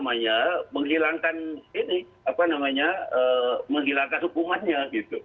mestinya itu bisa menjadi alasan yang menghilangkan hukumannya